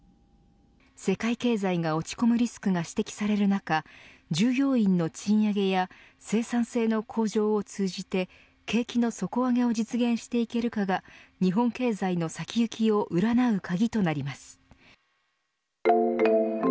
世界経済が落ち込むリスクが指摘される中従業員の賃上げや生産性の向上を通じて景気の底上げを実現していけるかが日本経済の先行きを占う鍵となります。